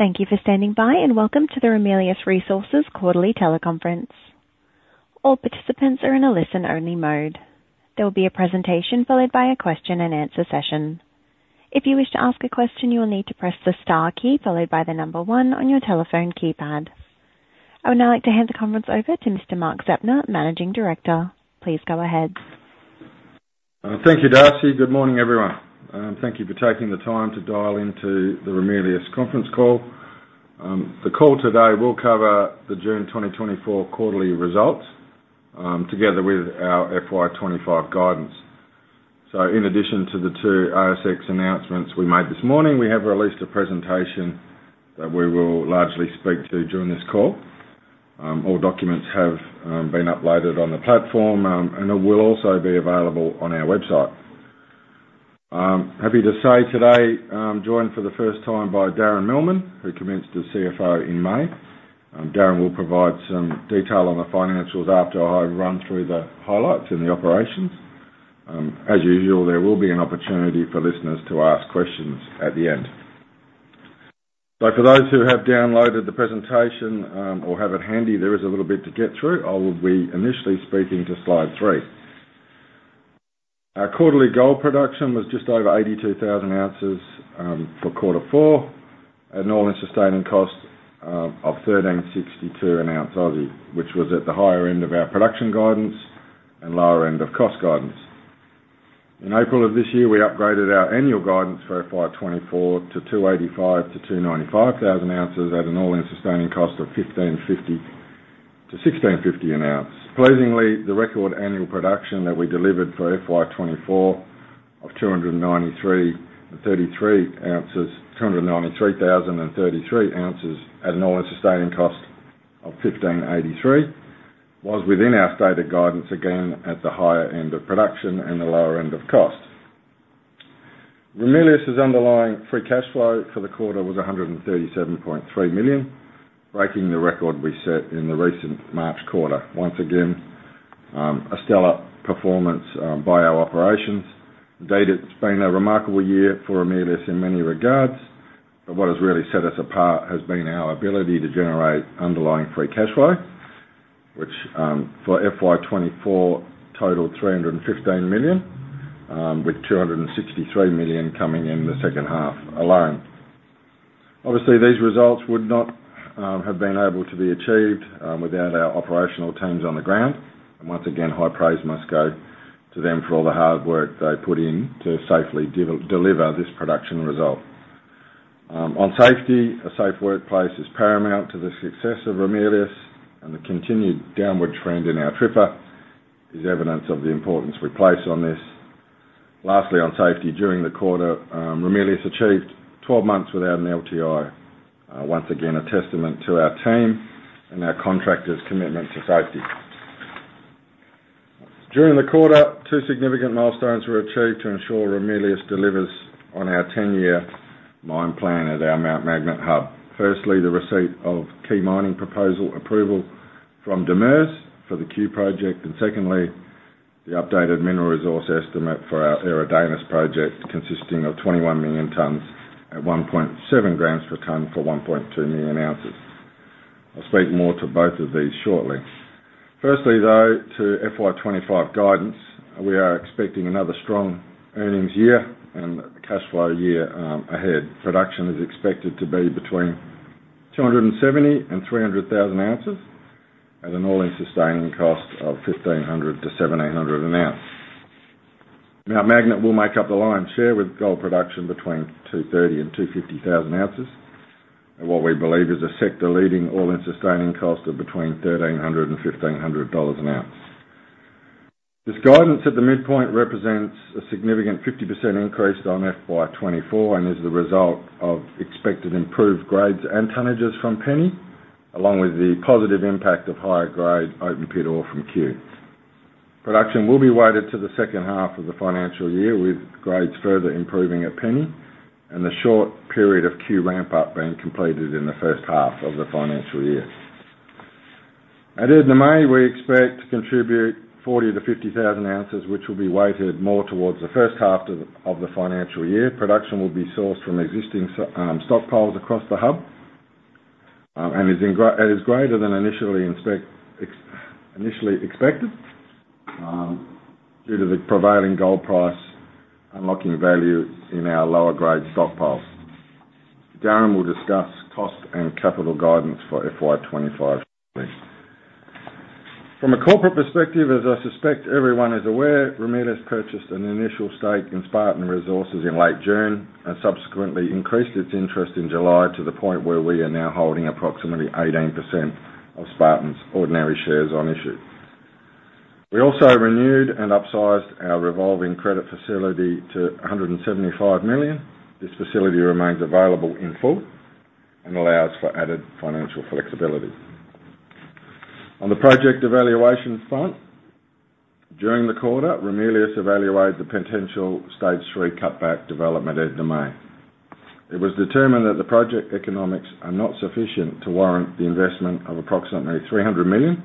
Thank you for standing by, and welcome to the Ramelius Resources quarterly teleconference. All participants are in a listen-only mode. There will be a presentation followed by a question-and-answer session. If you wish to ask a question, you will need to press the star key followed by the number one on your telephone keypad. I would now like to hand the conference over to Mr. Mark Zeptner, Managing Director. Please go ahead. Thank you, Darcy. Good morning, everyone, and thank you for taking the time to dial into the Ramelius conference call. The call today will cover the June 2024 quarterly results, together with our FY 2025 guidance. So in addition to the two ASX announcements we made this morning, we have released a presentation that we will largely speak to during this call. All documents have been uploaded on the platform, and it will also be available on our website. I'm happy to say today, I'm joined for the first time by Darren Millman, who commenced as CFO in May. Darren will provide some detail on the financials after I run through the highlights in the operations. As usual, there will be an opportunity for listeners to ask questions at the end. So for those who have downloaded the presentation, or have it handy, there is a little bit to get through. I will be initially speaking to slide three. Our quarterly gold production was just over 82,000 oz, for quarter four, at an all-in sustaining cost of 1,362 an ounce, which was at the higher end of our production guidance and lower end of cost guidance. In April of this year, we upgraded our annual guidance for FY 2024 to 285,000 oz-295,000 oz at an all-in sustaining cost of 1,550-1,650 an ounce. Pleasingly, the record annual production that we delivered for FY 2024 of 293,033 oz at an all-in sustaining cost of 1,583 was within our stated guidance, again, at the higher end of production and the lower end of cost. Ramelius's underlying free cash flow for the quarter was 137.3 million, breaking the record we set in the recent March quarter. Once again, a stellar performance by our operations. To date, it's been a remarkable year for Ramelius in many regards, but what has really set us apart has been our ability to generate underlying free cash flow, which, for FY 2024, totaled 315 million with 263 million coming in the second half alone. Obviously, these results would not have been able to be achieved without our operational teams on the ground. And once again, high praise must go to them for all the hard work they put in to safely deliver this production result. On safety, a safe workplace is paramount to the success of Ramelius, and the continued downward trend in our TRIFR is evidence of the importance we place on this. Lastly, on safety, during the quarter, Ramelius achieved 12 months without an LTI. Once again, a testament to our team and our contractors' commitment to safety. During the quarter, two significant milestones were achieved to ensure Ramelius delivers on our 10-year mine plan at our Mt. Magnet Hub. Firstly, the receipt of key mining proposal approval from DMIRS for the Cue project, and secondly, the updated mineral resource estimate for our Eridanus project, consisting of 21 million tons at 1.7 grams per ton for 1.2 million oz. I'll speak more to both of these shortly. Firstly, though, to FY 2025 guidance, we are expecting another strong earnings year and cash flow year, ahead. Production is expected to be between 270,000 and 300,000 oz at an all-in sustaining cost of 1,500-1,700 an ounce. Mount Magnet will make up the lion's share, with gold production between 230,000 and 250,000 oz, and what we believe is a sector-leading all-in sustaining cost of between 1,300 and AUD 1,500 an ounce. This guidance at the midpoint represents a significant 50% increase on FY 2024 and is the result of expected improved grades and tonnages from Penny, along with the positive impact of higher-grade open-pit ore from Q. Production will be weighted to the second half of the financial year, with grades further improving at Penny and the short period of Cue ramp-up being completed in the first half of the financial year. At Edna May, we expect to contribute 40,000-50,000 oz, which will be weighted more towards the first half of the financial year. Production will be sourced from existing stockpiles across the hub, and is greater than initially expected, due to the prevailing gold price, unlocking value in our lower-grade stockpiles. Darren will discuss cost and capital guidance for FY 2025. From a corporate perspective, as I suspect everyone is aware, Ramelius purchased an initial stake in Spartan Resources in late June and subsequently increased its interest in July to the point where we are now holding approximately 18% of Spartan's ordinary shares on issue. We also renewed and upsized our revolving credit facility to 175 million. This facility remains available in full and allows for added financial flexibility. On the project evaluation front, during the quarter, Ramelius evaluated the potential Stage 3 cutback development at Edna May. It was determined that the project economics are not sufficient to warrant the investment of approximately 300 million,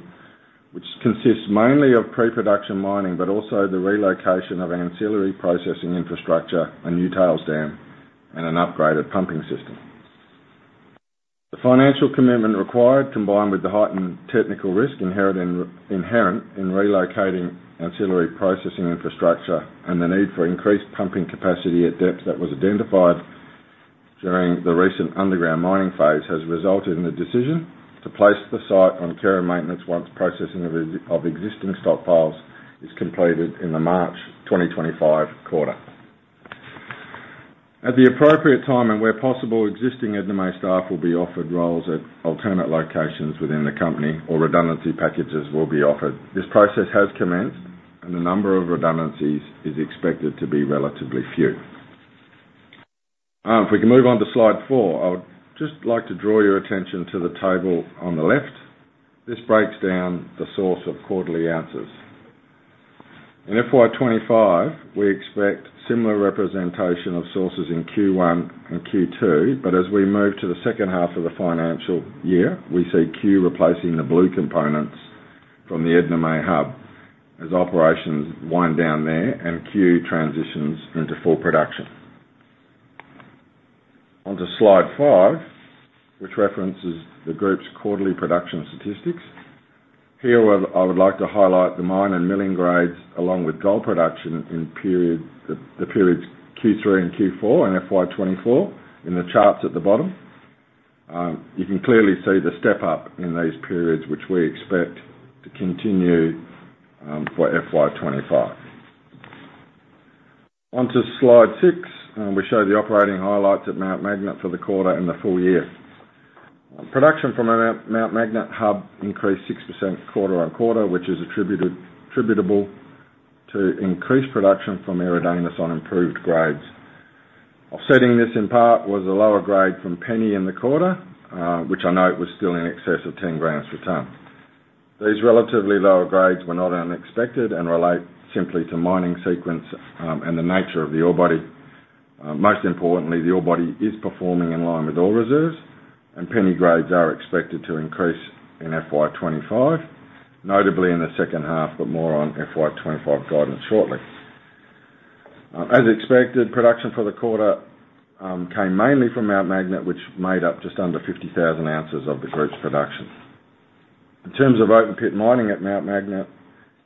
which consists mainly of pre-production mining, but also the relocation of ancillary processing infrastructure, a new tails dam, and an upgraded pumping system. The financial commitment required, combined with the heightened technical risk inherent in relocating ancillary processing infrastructure and the need for increased pumping capacity at depths that was identified during the recent underground mining phase, has resulted in the decision to place the site on care and maintenance once processing of existing stockpiles is completed in the March 2025 quarter. At the appropriate time, and where possible, existing Edna May staff will be offered roles at alternate locations within the company, or redundancy packages will be offered. This process has commenced, and the number of redundancies is expected to be relatively few. If we can move on to slide four, I would just like to draw your attention to the table on the left. This breaks down the source of quarterly ounces. In FY 2025, we expect similar representation of sources in Q1 and Q2, but as we move to the second half of the financial year, we see Cue replacing the blue components from the Edna May hub, as operations wind down there and Cue transitions into full production. On to slide five, which references the group's quarterly production statistics. Here, I would, I would like to highlight the mine and milling grades, along with gold production in the periods Q3 and Q4 in FY 2024, in the charts at the bottom. You can clearly see the step up in these periods, which we expect to continue, for FY 2025. On to slide six, we show the operating highlights at Mount Magnet for the quarter and the full year. Production from our Mount Magnet hub increased 6% quarter-on-quarter, which is attributable to increased production from Eridanus on improved grades. Offsetting this, in part, was a lower grade from Penny in the quarter, which I know was still in excess of 10 grams per tonne. These relatively lower grades were not unexpected and relate simply to mining sequence, and the nature of the ore body. Most importantly, the ore body is performing in line with ore reserves, and Penny grades are expected to increase in FY 2025, notably in the second half, but more on FY 2025 guidance shortly. As expected, production for the quarter came mainly from Mount Magnet, which made up just under 50,000 oz of the group's production. In terms of open pit mining at Mount Magnet,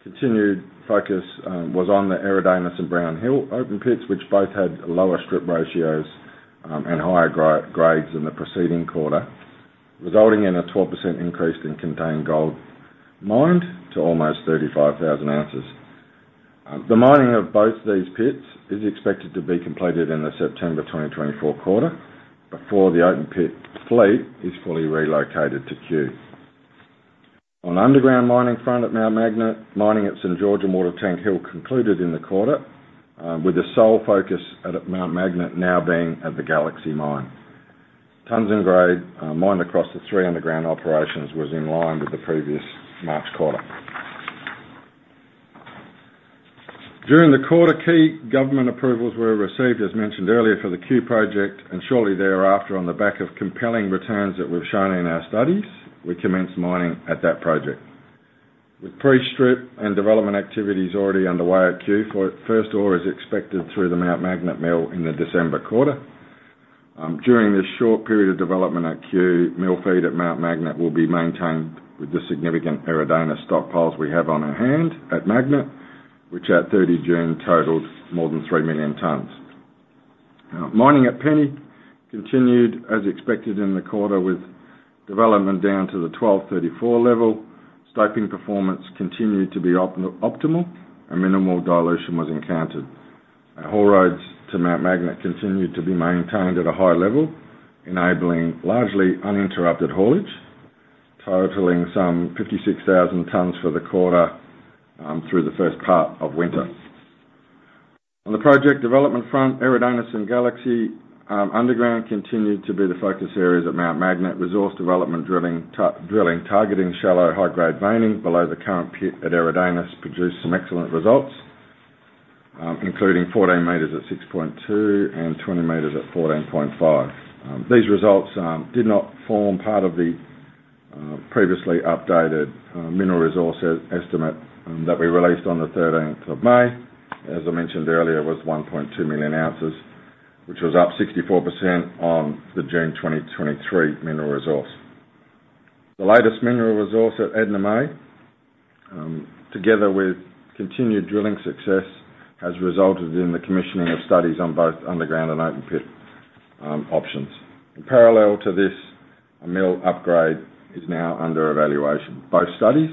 continued focus was on the Eridanus and Brown Hill open pits, which both had lower strip ratios and higher grades in the preceding quarter, resulting in a 12% increase in contained gold mined to almost 35,000 oz. The mining of both these pits is expected to be completed in the September 2024 quarter, before the open pit fleet is fully relocated to Q. On underground mining front at Mount Magnet, mining at St. George and Water Tank Hill concluded in the quarter, with the sole focus at Mount Magnet now being at the Galaxy Mine. Tonnes and grade mined across the three underground operations was in line with the previous March quarter. During the quarter, key government approvals were received, as mentioned earlier, for the Cue project, and shortly thereafter, on the back of compelling returns that we've shown in our studies, we commenced mining at that project. With pre-strip and development activities already underway at Q, for its first ore is expected through the Mount Magnet mill in the December quarter. During this short period of development at Q, mill feed at Mount Magnet will be maintained with the significant Eridanus stockpiles we have on hand at Magnet, which at 30 June, totaled more than three million tonnes. Mining at Penny continued as expected in the quarter, with development down to the 1,234 level. Staking performance continued to be optimal, and minimal dilution was encountered. Haul roads to Mount Magnet continued to be maintained at a high level, enabling largely uninterrupted haulage, totaling some 56,000 tonnes for the quarter, through the first part of winter. On the project development front, Eridanus and Galaxy underground continued to be the focus areas at Mount Magnet. Resource development drilling targeting shallow, high-grade veining below the current pit at Eridanus produced some excellent results, including 14 meters at 6.2, and 20 meters at 14.5. These results did not form part of the previously updated mineral resource estimate that we released on the thirteenth of May. As I mentioned earlier, it was 1.2 million oz, which was up 64% on the June 2023 mineral resource. The latest mineral resource at Edna May, together with continued drilling success, has resulted in the commissioning of studies on both underground and open pit options. In parallel to this, a mill upgrade is now under evaluation. Both studies,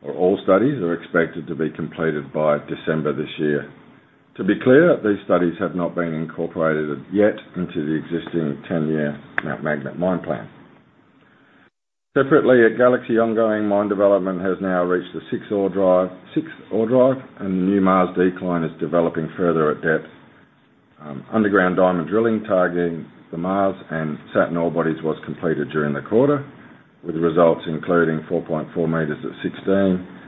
or all studies, are expected to be completed by December this year. To be clear, these studies have not been incorporated as yet into the existing 10-year Mount Magnet mine plan. Separately, at Galaxy, ongoing mine development has now reached the six ore drive, sixth ore drive, and the new Mars decline is developing further at depth. Underground diamond drilling, targeting the Mars and Saturn ore bodies, was completed during the quarter, with the results, including 4.4 meters at 16-...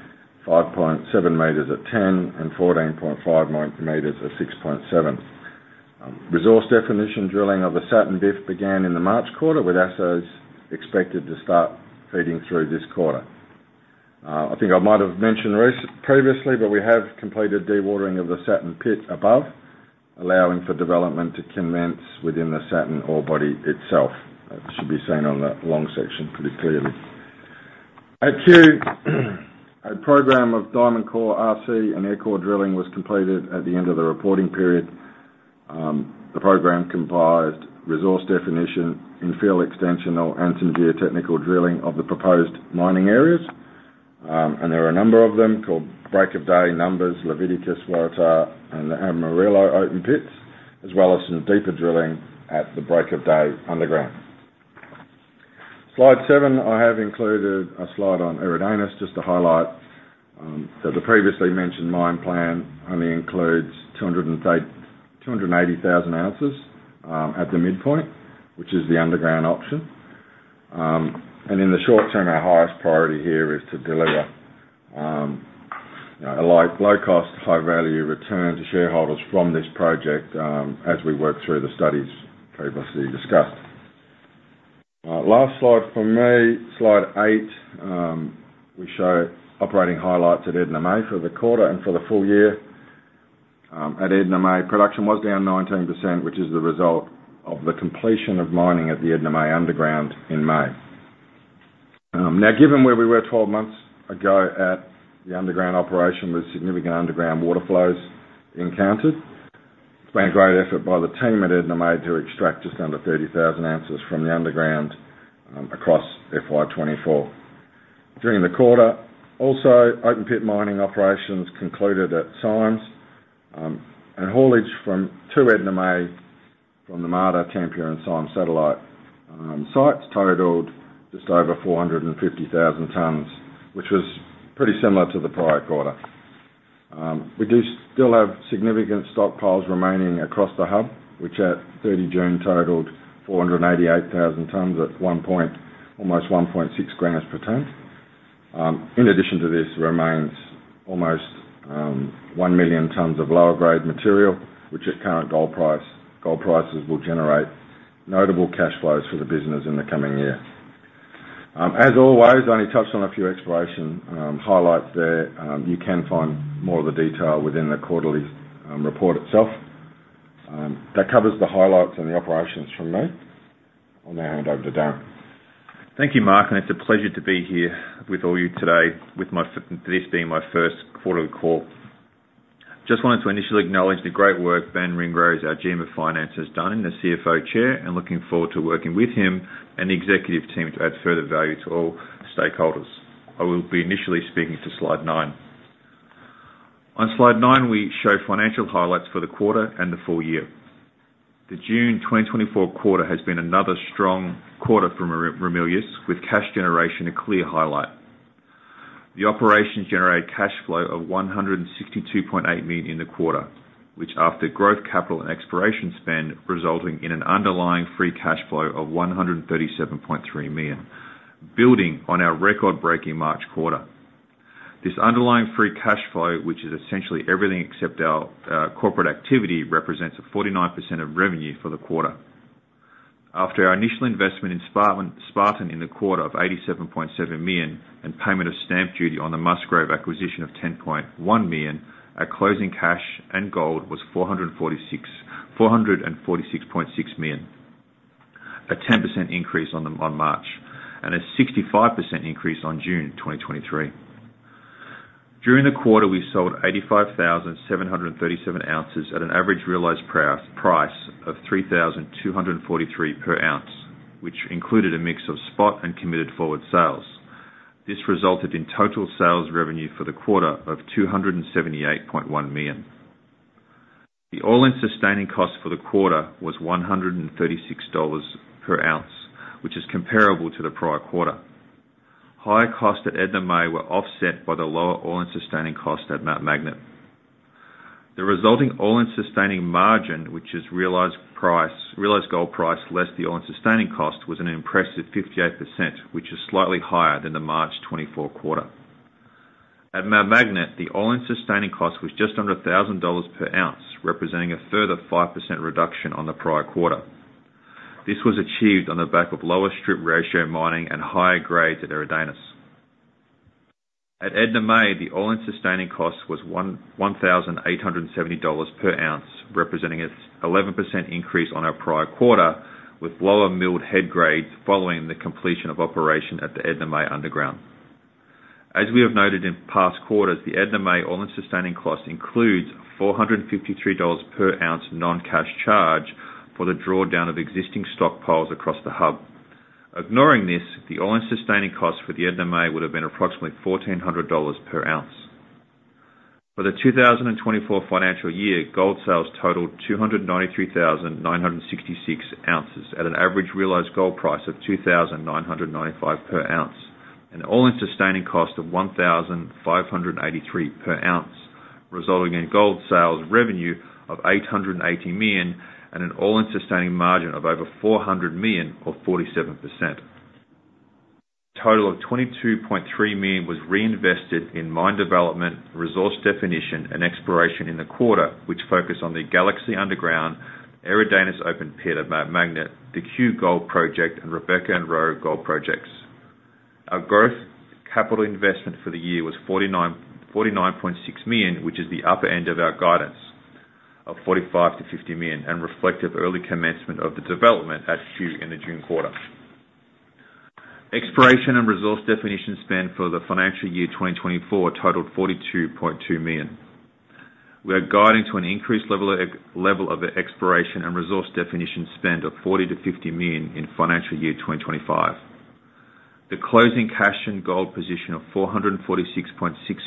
5.7 meters at 10, and 14.59 meters at 6.7. Resource definition drilling of the Satin BIF began in the March quarter, with assays expected to start feeding through this quarter. I think I might have mentioned previously, but we have completed dewatering of the Satin pit above, allowing for development to commence within the Satin ore body itself. That should be seen on that long section pretty clearly. At Q, a program of diamond core RC and air core drilling was completed at the end of the reporting period. The program comprised resource definition, infill extension and some geotechnical drilling of the proposed mining areas. And there are a number of them called Break of Day, Numbers, Leviticus, Waratah, and the Amarillo open pits, as well as some deeper drilling at the Break of Day underground. Slide seven, I have included a slide on Eridanus, just to highlight, that the previously mentioned mine plan only includes 280,000 oz, at the midpoint, which is the underground option. And in the short term, our highest priority here is to deliver, you know, a low-cost, high-value return to shareholders from this project, as we work through the studies previously discussed. Last slide for me, slide eight. We show operating highlights at Edna May for the quarter and for the full year. At Edna May, production was down 19%, which is the result of the completion of mining at the Edna May Underground in May. Now, given where we were 12 months ago at the underground operation, with significant underground water flows encountered, it's been a great effort by the team at Edna May to extract just under 30,000 oz from the underground, across FY 2024. During the quarter, also, open pit mining operations concluded at Symes, and haulage to Edna May from the Marda, Tampia, and Symes satellite sites totaled just over 450,000 tons, which was pretty similar to the prior quarter. We do still have significant stockpiles remaining across the hub, which at 30 June totaled 488,000 tons at 1.6 grams per ton. In addition to this, remains almost one million tons of lower-grade material, which at current gold prices will generate notable cash flows for the business in the coming year. As always, only touched on a few exploration highlights there. You can find more of the detail within the quarterly report itself. That covers the highlights and the operations from me. I'll now hand over to Darren. Thank you, Mark, and it's a pleasure to be here with all you today, with this being my first quarterly call. Just wanted to initially acknowledge the great work Ben Ringrose, our GM of Finance, has done in the CFO chair, and looking forward to working with him and the executive team to add further value to all stakeholders. I will be initially speaking to slide nine. On slide nine, we show financial highlights for the quarter and the full year. The June 2024 quarter has been another strong quarter for Ramelius, with cash generation a clear highlight. The operations generated cash flow of AUD 162.8 million in the quarter, which after growth, capital and exploration spend, resulting in an underlying free cash flow of 137.3 million, building on our record-breaking March quarter. This underlying free cash flow, which is essentially everything except our corporate activity, represents 49% of revenue for the quarter. After our initial investment in Spartan in the quarter of 87.7 million, and payment of stamp duty on the Musgrave acquisition of 10.1 million, our closing cash and gold was 446.6 million. A 10% increase on March, and a 65% increase on June 2023. During the quarter, we sold 85,737 oz at an average realized price of 3,243 per ounce, which included a mix of spot and committed forward sales. This resulted in total sales revenue for the quarter of 278.1 million. The all-in sustaining cost for the quarter was $136 per ounce, which is comparable to the prior quarter. Higher costs at Edna May were offset by the lower all-in sustaining cost at Mt. Magnet. The resulting all-in sustaining margin, which is realized price, realized gold price, less the all-in sustaining cost, was an impressive 58%, which is slightly higher than the March 2024 quarter. At Mt. Magnet, the all-in sustaining cost was just under $1,000 per ounce, representing a further 5% reduction on the prior quarter. This was achieved on the back of lower strip ratio mining and higher grades at Eridanus. At Edna May, the all-in sustaining cost was 1,870 dollars per ounce, representing an 11% increase on our prior quarter, with lower milled head grades following the completion of operation at the Edna May Underground. As we have noted in past quarters, the Edna May all-in sustaining cost includes 453 dollars per ounce non-cash charge for the drawdown of existing stockpiles across the hub. Ignoring this, the all-in sustaining cost for the Edna May would have been approximately 1,400 dollars per ounce. For the 2024 financial year, gold sales totaled 293,966 oz at an average realized gold price of 2,995 per ounce, an all-in sustaining cost of 1,583 per ounce. resulting in gold sales revenue of 880 million, and an all-in sustaining margin of over 400 million or 47%. A total of 22.3 million was reinvested in mine development, resource definition, and exploration in the quarter, which focused on the Galaxy underground, Eridanus open pit at Mount Magnet, the Cue Gold project, and Rebecca and Roe Gold projects. Our gross capital investment for the year was 49.6 million, which is the upper end of our guidance of 45 million-50 million, and reflective early commencement of the development at Cue in the June quarter. Exploration and resource definition spend for the financial year 2024 totaled 42.2 million. We are guiding to an increased level of exploration and resource definition spend of 40 million-50 million in financial year 2025. The closing cash and gold position of 446.6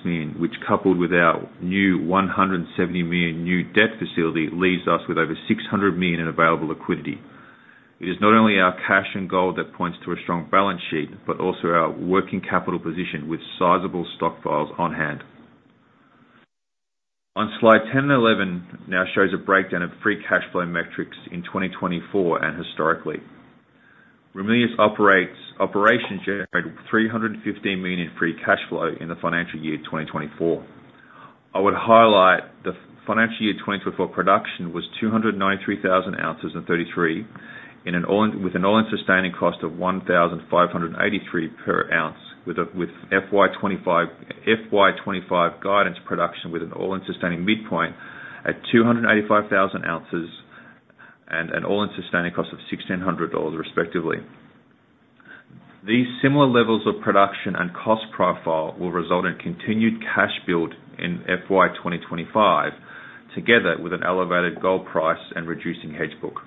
million, which, coupled with our new 170 million new debt facility, leaves us with over 600 million in available liquidity. It is not only our cash and gold that points to a strong balance sheet, but also our working capital position with sizable stockpiles on hand. On slide 10 and 11, now shows a breakdown of free cash flow metrics in 2024 and historically. Ramelius operations generated 315 million in free cash flow in the financial year 2024. I would highlight the financial year 2024 production was 293,033 oz, with an all-in sustaining cost of 1,583 per ounce, with FY 2025, FY 2025 guidance production, with an all-in sustaining midpoint at 285,000 oz and an all-in sustaining cost of 1,600 dollars, respectively. These similar levels of production and cost profile will result in continued cash build in FY 2025, together with an elevated gold price and reducing hedge book.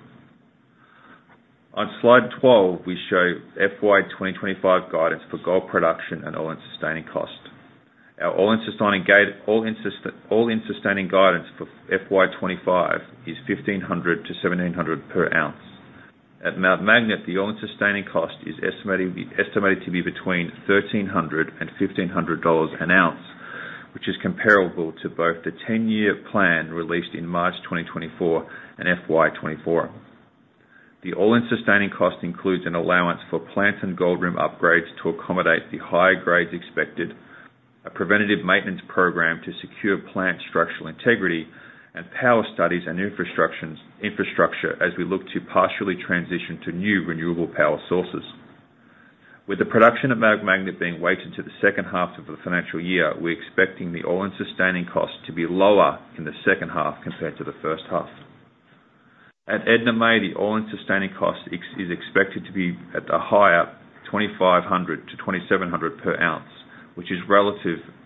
On Slide 12, we show FY 2025 guidance for gold production and all-in sustaining cost. Our all-in sustaining guidance for FY 2025 is 1,500-1,700 per ounce. At Mount Magnet, the all-in sustaining cost is estimated to be between $1,300 and $1,500 an ounce, which is comparable to both the 10-year plan released in March 2024 and FY 2024. The all-in sustaining cost includes an allowance for plant and gold room upgrades to accommodate the higher grades expected, a preventative maintenance program to secure plant structural integrity, and power studies and infrastructure as we look to partially transition to new renewable power sources. With the production of Mount Magnet being weighted to the second half of the financial year, we're expecting the all-in sustaining cost to be lower in the second half compared to the first half. At Edna May, the all-in sustaining cost is expected to be at the higher 2,500-AUD2,700 per ounce,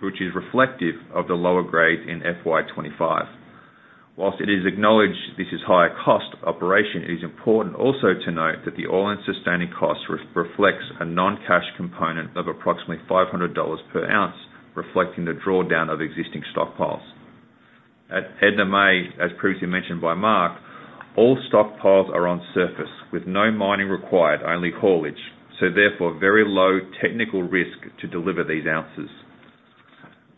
which is reflective of the lower grade in FY 2025. While it is acknowledged this is higher cost operation, it is important also to note that the all-in sustaining cost reflects a non-cash component of approximately $500 per ounce, reflecting the drawdown of existing stockpiles. At Edna May, as previously mentioned by Mark, all stockpiles are on surface, with no mining required, only haulage, so therefore, very low technical risk to deliver these oz.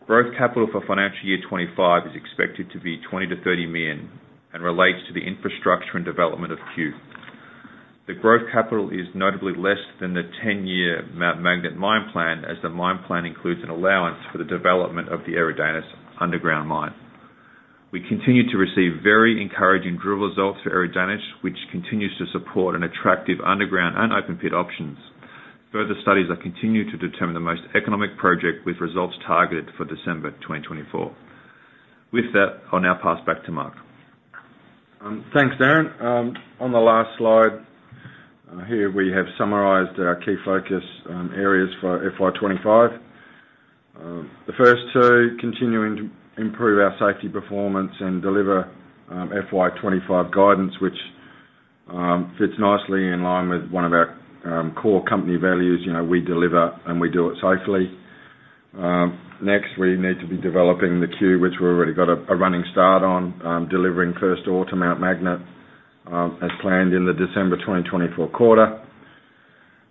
Gross capital for financial year 2025 is expected to be 20-30 million and relates to the infrastructure and development of Q. The gross capital is notably less than the 10-year Mount Magnet mine plan, as the mine plan includes an allowance for the development of the Eridanus underground mine. We continue to receive very encouraging drill results for Eridanus, which continues to support an attractive underground and open pit options. Further studies are continuing to determine the most economic project, with results targeted for December 2024. With that, I'll now pass back to Mark. Thanks, Darren. On the last slide, here we have summarized our key focus areas for FY 2025. The first to continuing to improve our safety performance and deliver FY 2025 guidance, which fits nicely in line with one of our core company values. You know, we deliver, and we do it safely. Next, we need to be developing the Q, which we've already got a running start on, delivering first ore to Mount Magnet as planned in the December 2024 quarter.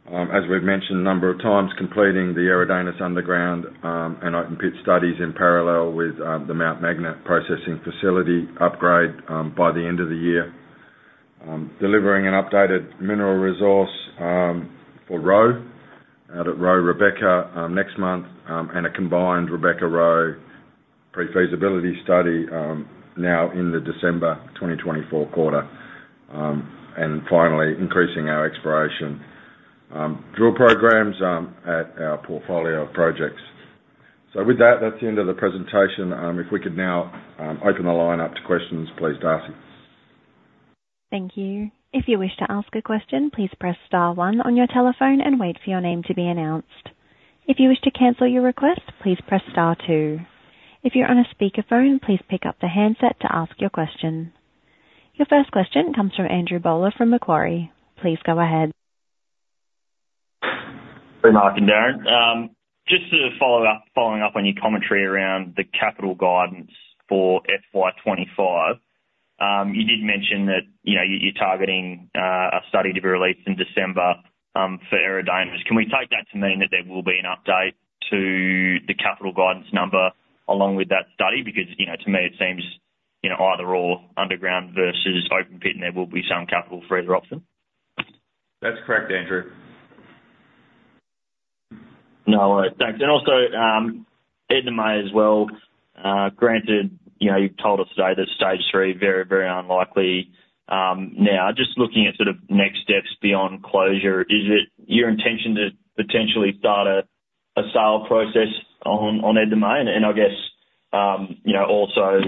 As we've mentioned a number of times, completing the Eridanus underground and open pit studies in parallel with the Mount Magnet processing facility upgrade by the end of the year. Delivering an updated mineral resource for Roe, out at Roe Rebecca, next month, and a combined Rebecca Roe pre-feasibility study now in the December 2024 quarter. And finally, increasing our exploration drill programs at our portfolio of projects. So with that, that's the end of the presentation. If we could now open the line up to questions, please, Darcy. Thank you. If you wish to ask a question, please press star one on your telephone and wait for your name to be announced. If you wish to cancel your request, please press star two. If you're on a speakerphone, please pick up the handset to ask your question. Your first question comes from Andrew Bowler of Macquarie. Please go ahead. Hey, Mark and Darren. Just to follow up, following up on your commentary around the capital guidance for FY 2025. You did mention that, you know, you, you're targeting a study to be released in December for Eridanus. Can we take that to mean that there will be an update to the capital guidance number along with that study? Because, you know, to me, it seems, you know, either all underground versus open pit, and there will be some capital for either option. That's correct, Andrew. No, thanks. And also, Edna May as well. Granted, you know, you've told us today that stage three, very, very unlikely. Now, just looking at sort of next steps beyond closure, is it your intention to potentially start a sale process on Edna May? And I guess, you know, also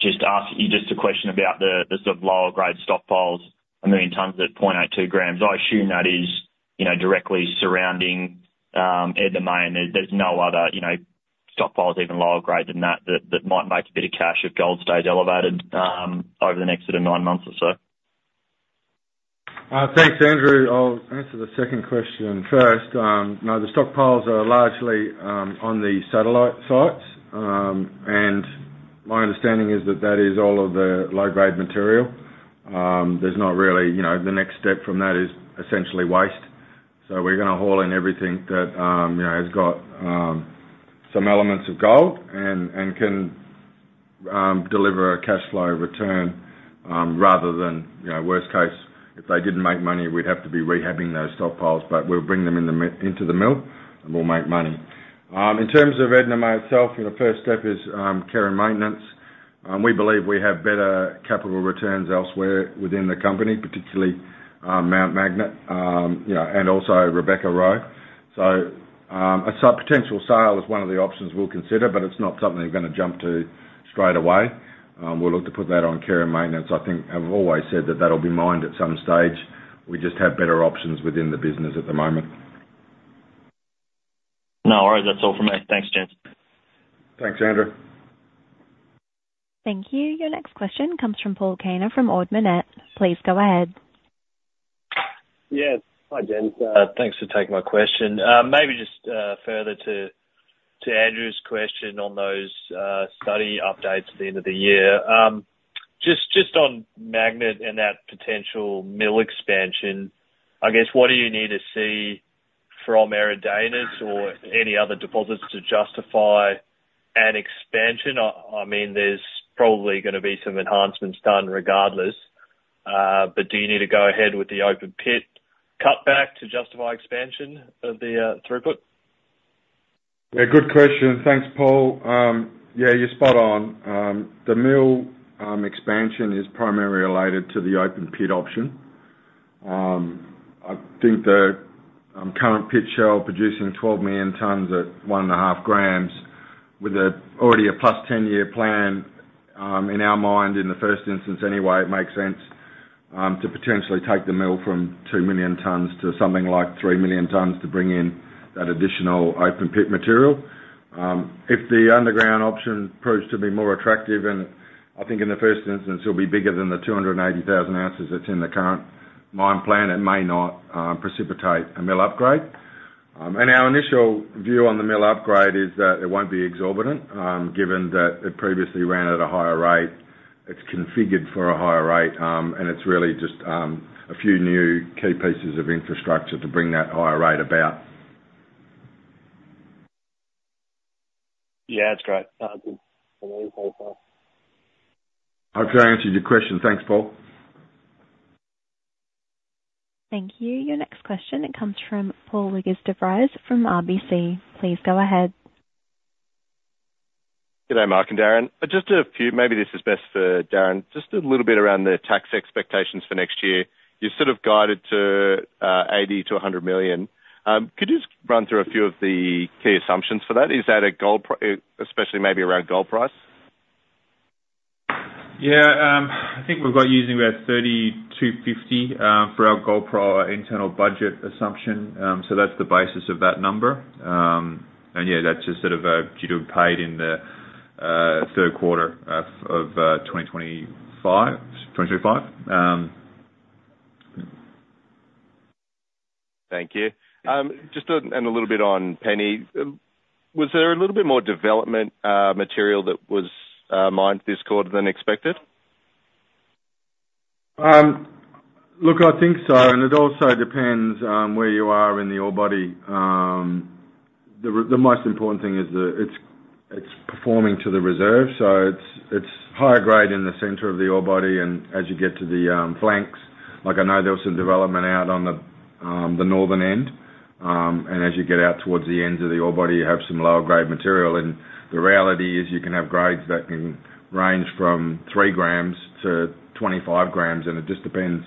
just ask you just a question about the sort of lower grade stockpiles, one million tons at 0.82 grams. I assume that is, you know, directly surrounding Edna May, and there's no other stockpiles even lower grade than that that might make a bit of cash if gold stays elevated over the next sort of nine months or so. Thanks, Andrew. I'll answer the second question first. No, the stockpiles are largely on the satellite sites. And my understanding is that that is all of the low-grade material. There's not really. You know, the next step from that is essentially waste. So we're gonna haul in everything that, you know, has got some elements of gold and can deliver a cash flow return, rather than, you know, worst case, if they didn't make money, we'd have to be rehabbing those stockpiles, but we'll bring them into the mill, and we'll make money. In terms of Edna May itself, you know, first step is care and maintenance. We believe we have better capital returns elsewhere within the company, particularly Mount Magnet, you know, and also Rebecca, Roe. So, a potential sale is one of the options we'll consider, but it's not something we're gonna jump to straight away. We'll look to put that on care and maintenance. I think I've always said that that'll be mined at some stage. We just have better options within the business at the moment. No, all right. That's all for me. Thanks, gents. Thanks, Andrew. Thank you. Your next question comes from Paul Kaner from Ord Minnett. Please go ahead. Yes. Hi, James. Thanks for taking my question. Maybe just further to Andrew's question on those study updates at the end of the year. Just on Magnet and that potential mill expansion, I guess, what do you need to see from Eridanus or any other deposits to justify an expansion? I mean, there's probably gonna be some enhancements done regardless, but do you need to go ahead with the open pit cutback to justify expansion of the throughput? Yeah, good question. Thanks, Paul. Yeah, you're spot on. The mill expansion is primarily related to the open pit option. I think the current pit shell producing 12 million tons at 1.5 grams, with already a +10-year plan, in our mind, in the first instance anyway, it makes sense to potentially take the mill from two million tons to something like three million tons to bring in that additional open pit material. If the underground option proves to be more attractive, and I think in the first instance, it'll be bigger than the 280,000 oz that's in the current mine plan, it may not precipitate a mill upgrade. Our initial view on the mill upgrade is that it won't be exorbitant, given that it previously ran at a higher rate. It's configured for a higher rate, and it's really just a few new key pieces of infrastructure to bring that higher rate about. Yeah, that's great. Good. I hope I answered your question. Thanks, Paul. Thank you. Your next question comes from Paul Lichtenstein from RBC. Please go ahead. Good day, Mark and Darren. Just a few. Maybe this is best for Darren. Just a little bit around the tax expectations for next year. You sort of guided to 80 million-100 million. Could you just run through a few of the key assumptions for that? Is that a gold price, especially maybe around gold price? Yeah, I think we've got using about 3,250 for our gold price internal budget assumption. So that's the basis of that number. And yeah, that's just sort of due to have paid in the third quarter of 2025. Thank you. Just and a little bit on Penny. Was there a little bit more development material that was mined this quarter than expected? Look, I think so, and it also depends where you are in the ore body. The most important thing is that it's performing to the reserve, so it's higher grade in the center of the ore body, and as you get to the flanks, like I know there was some development out on the northern end, and as you get out towards the ends of the ore body, you have some lower grade material. And the reality is you can have grades that can range from three grams to 25 grams, and it just depends,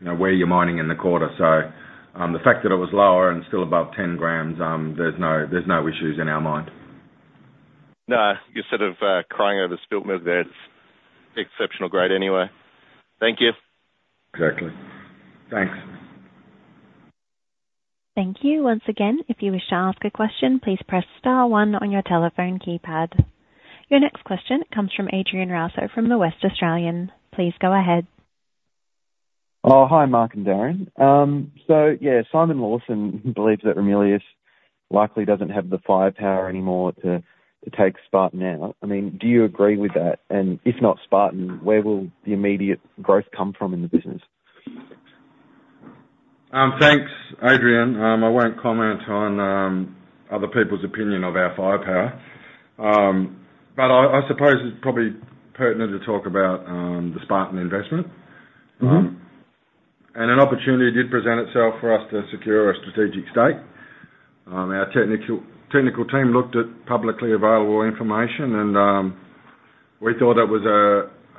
you know, where you're mining in the quarter. So, the fact that it was lower and still above 10 grams, there's no, there's no issues in our mine. No, you're sort of crying over spilled milk there. It's exceptional grade anyway. Thank you. Exactly. Thanks. Thank you. Once again, if you wish to ask a question, please press star one on your telephone keypad. Your next question comes from Adrian Rauso, from The West Australian. Please go ahead. Oh, hi, Mark and Darren. So yeah, Simon Lawson believes that Ramelius likely doesn't have the firepower anymore to take Spartan out. I mean, do you agree with that? And if not Spartan, where will the immediate growth come from in the business? Thanks, Adrian. I won't comment on other people's opinion of our firepower. But I suppose it's probably pertinent to talk about the Spartan investment. And an opportunity did present itself for us to secure a strategic stake. Our technical team looked at publicly available information, and we thought it was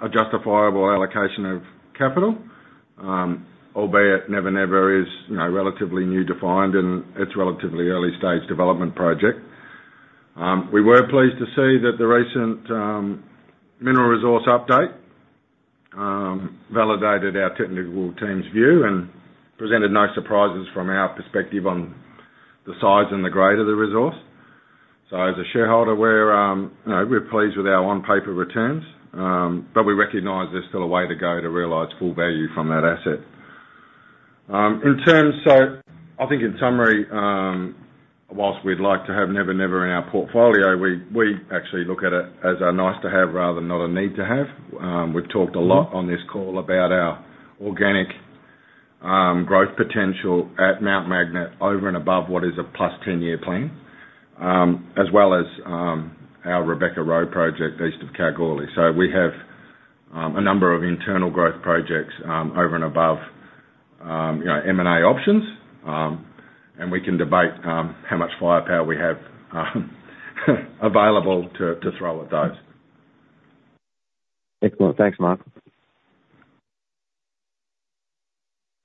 a justifiable allocation of capital. Albeit Never Never is, you know, relatively new to find and it's relatively early stage development project. We were pleased to see that the recent mineral resource update validated our technical team's view and presented no surprises from our perspective on the size and the grade of the resource. So as a shareholder, we're, you know, we're pleased with our on-paper returns, but we recognize there's still a way to go to realize full value from that asset. In terms—so I think in summary, while we'd like to have Never Never in our portfolio, we, we actually look at it as a nice to have rather than not a need to have. We've talked a lot on this call about our organic growth potential at Mount Magnet over and above what is a +10-year plan, as well as our Rebecca Gold project, east of Kalgoorlie. So we have a number of internal growth projects over and above, you know, M&A options. And we can debate how much firepower we have available to throw at those. Excellent. Thanks, Mark.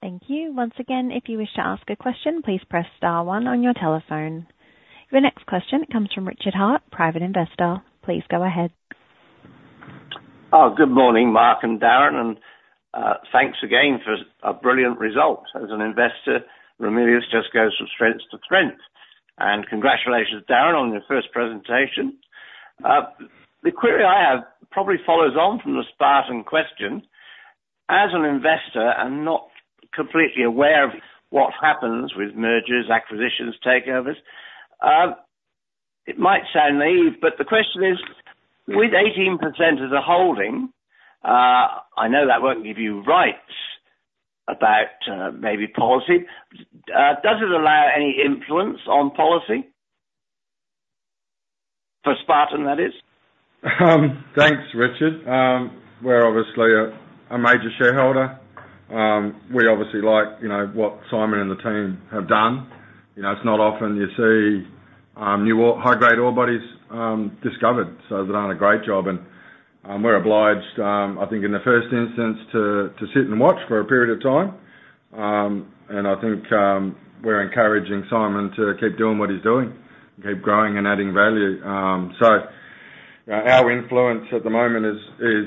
Thank you. Once again, if you wish to ask a question, please press star one on your telephone. Your next question comes from Richard Hart, private investor. Please go ahead. Oh, good morning, Mark and Darren, and thanks again for a brilliant result. As an investor, Ramelius just goes from strength to strength. And congratulations, Darren, on your first presentation. The query I have probably follows on from the Spartan question. As an investor and not completely aware of what happens with mergers, acquisitions, takeovers, it might sound naive, but the question is: With 18% of the holding, I know that won't give you rights about, maybe policy. Does it allow any influence on policy? For Spartan, that is. Thanks, Richard. We're obviously a major shareholder. We obviously like, you know, what Simon and the team have done. You know, it's not often you see new, high-grade ore bodies discovered, so they've done a great job. And we're obliged, I think in the first instance, to sit and watch for a period of time. And I think we're encouraging Simon to keep doing what he's doing, keep growing and adding value. So, our influence at the moment is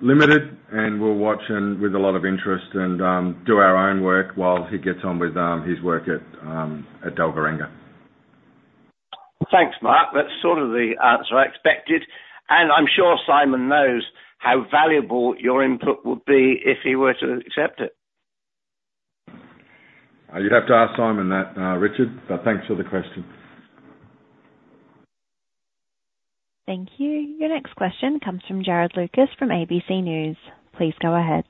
limited, and we'll watch him with a lot of interest and do our own work while he gets on with his work at Dalgaranga. Thanks, Mark. That's sort of the answer I expected, and I'm sure Simon knows how valuable your input would be if he were to accept it. You'd have to ask Simon that, Richard, but thanks for the question. Thank you. Your next question comes from Jarrod Lucas from ABC News. Please go ahead.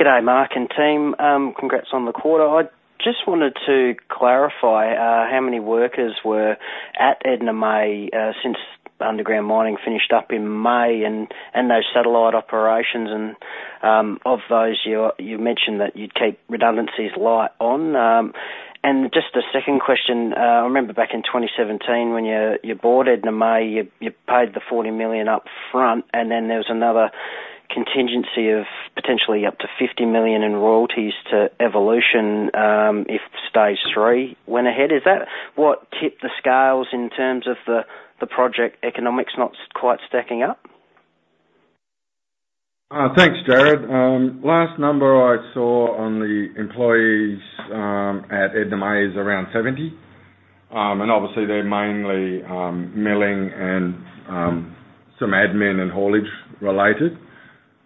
G'day, Mark and team. Congrats on the quarter. I just wanted to clarify how many workers were at Edna May since underground mining finished up in May and those satellite operations. And of those, you mentioned that you'd keep redundancies light on. And just a second question, I remember back in 2017, when you bought Edna May, you paid the 40 million up front, and then there was another contingency of potentially up to 50 million in royalties to Evolution, if stage three went ahead. Is that what tipped the scales in terms of the project economics not quite stacking up? Thanks, Jared. Last number I saw on the employees at Edna May is around 70. And obviously, they're mainly milling and some admin and haulage related.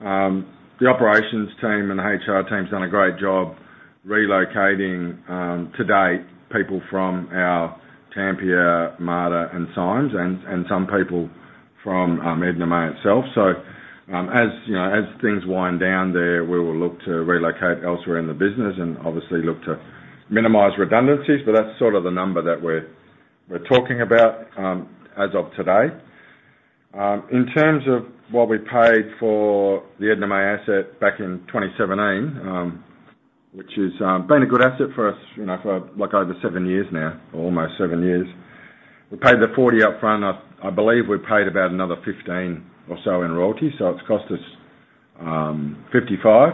The operations team and the HR team have done a great job relocating to date people from our Tampia, Marda and Symes and some people from Edna May itself. So, as you know, as things wind down there, we will look to relocate elsewhere in the business and obviously look to minimize redundancies, but that's sort of the number that we're talking about as of today. In terms of what we paid for the Edna May asset back in 2017, which has been a good asset for us, you know, for like over seven years now, almost seven years. We paid the 40 upfront. I believe we paid about another 15 or so in royalties, so it's cost us, 55.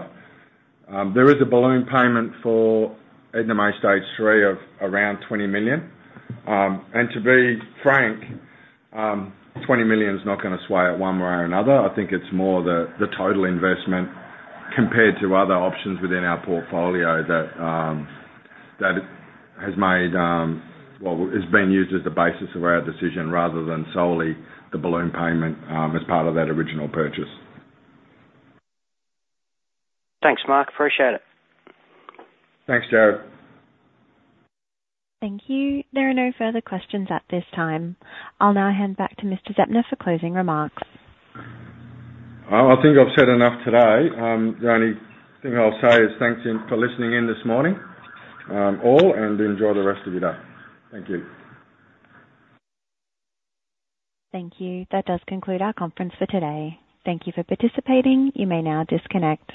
There is a balloon payment for Edna May Stage 3 of around 20 million. And to be frank, 20 million is not gonna sway it one way or another. I think it's more the, the total investment compared to other options within our portfolio that, that has made... Well, it's been used as the basis of our decision rather than solely the balloon payment, as part of that original purchase. Thanks, Mark. Appreciate it. Thanks, Jared. Thank you. There are no further questions at this time. I'll now hand back to Mr. Zeptner for closing remarks. I think I've said enough today. The only thing I'll say is thanks for listening in this morning, and enjoy the rest of your day. Thank you. Thank you. That does conclude our conference for today. Thank you for participating. You may now disconnect.